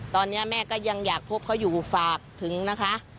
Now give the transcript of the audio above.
ตอนนี้แม่ก็ยังอยากพบเขาอยู่ฝากถึงนะคะ